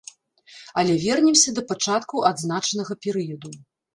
Але вернемся да пачаткаў адзначанага перыяду.